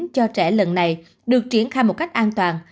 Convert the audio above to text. cho trẻ lần này được triển khai một cách an toàn